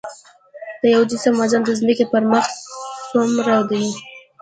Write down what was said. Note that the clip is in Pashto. د یو جسم وزن د ځمکې پر مخ څومره دی؟